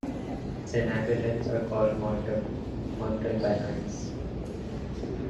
Its inhabitants are called "Montalbanais".